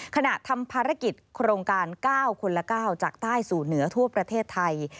ขณะทำภารกิจโครงการ๙คนละ๙จากใต้สู่เหนือทั่วประเทศไทย